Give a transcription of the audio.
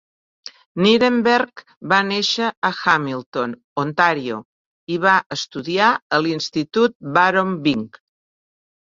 Nirenberg va néixer a Hamilton, Ontario, i va estudiar a l'Institut Baron Byng.